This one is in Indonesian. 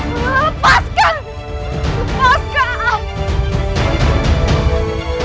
lepaskan lepaskan aku